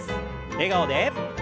笑顔で。